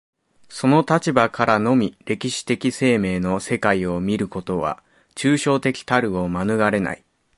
その立場からのみ歴史的生命の世界を見ることは、抽象的たるを免れない。